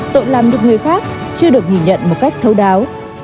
tội làm được người khác chưa được nhìn nhận một cách thấu đáo